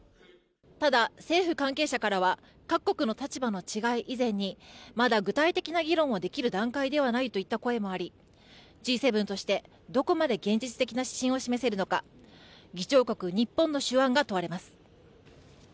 ただ、政府関係者からは各国の立場の違い以前にまだ具体的な議論をできる段階ではないといった声もありＧ７として、どこまで現実的な指針を示せるのか議長国、日本の手腕が問われます。